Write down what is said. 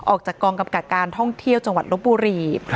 ออกจากกองกำกับการท่องเที่ยวจังหวัดลบบุรี